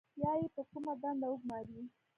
یا یې په کومه دنده وګمارئ.